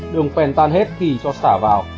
đường phèn tan hết thì cho xả vào